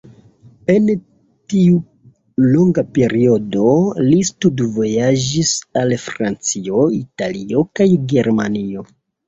En tiu longa periodo li studvojaĝis al Francio, Italio kaj Germanio.